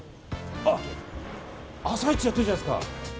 あ、朝市やってるじゃないですか。